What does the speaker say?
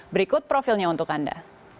berikut profilnya untuk anda